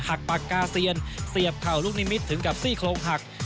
ปากกาเซียนเสียบเข่าลูกนิมิตถึงกับซี่โครงหัก